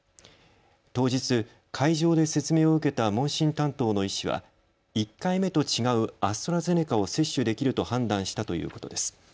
当日、会場で説明を受けた問診担当の医師は１回目と違うアストラゼネカを接種できると判断したということです。